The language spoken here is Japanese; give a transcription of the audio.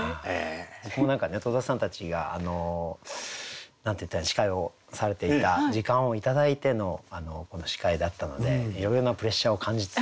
僕も何かね戸田さんたちが何て言ったらいいか司会をされていた時間を頂いてのこの司会だったのでいろいろなプレッシャーを感じつつだったんですけど。